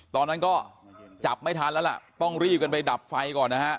ตอนนั้นก็จับไม่ทันแล้วล่ะต้องรีบกันไปดับไฟก่อนนะฮะ